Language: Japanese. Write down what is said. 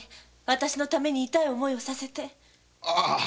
私のために痛い思いをさせて。